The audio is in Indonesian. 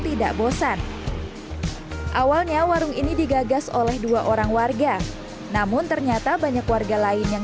tidak bosan awalnya warung ini digagas oleh dua orang warga namun ternyata banyak warga lain yang